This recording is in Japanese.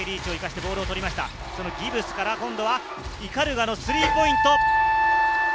ギブスから、今度は鵤のスリーポイント。